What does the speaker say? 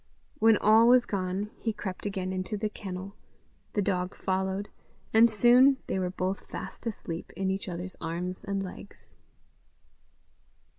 When all was gone he crept again into the kennel; the dog followed, and soon they were both fast asleep in each other's arms and legs.